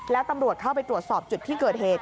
แล้วตำรวจเข้าไปตรวจสอบจุดที่เกิดเหตุ